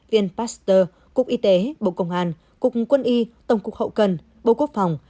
viện pasteur cục y tế bộ công an cục quân y tổng cục hậu cần bộ quốc phòng